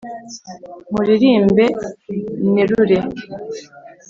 nkuririmbe nerure